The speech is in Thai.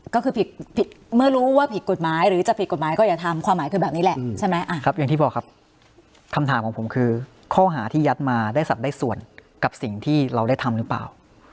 ก็คือผิดเมื่อรู้ว่าผิดกฎหมายหรือจะผิดกฎหมายก็อย่าทำความหมายคือแบบนี้แหละใช่ไหมอย่างที่บอกครับคำถามของผมคือข้อหาที่ยัดมาได้สัตว์ได้ส่วนกับสิ่งที่เราได้ทำหรือเปล่า